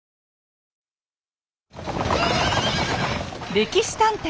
「歴史探偵」